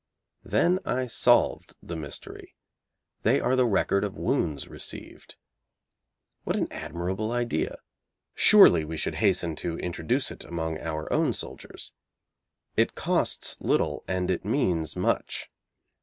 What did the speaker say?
Then I solved the mystery. They are the record of wounds received. What an admirable idea! Surely we should hasten to introduce it among our own soldiers. It costs little and it means much.